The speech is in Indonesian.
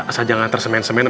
saya jangan tersemen semennya